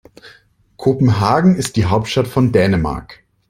Kopenhagen ist die Hauptstadt von Dänemark.